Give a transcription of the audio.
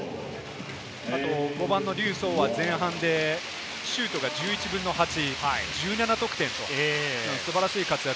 あと５番のリュウ・ソウは前半でシュートが１１分の８、１７得点と素晴らしい活躍。